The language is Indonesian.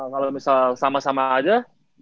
kalau misal sama sama aja